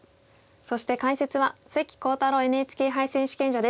そして解説は関航太郎ＮＨＫ杯選手権者です。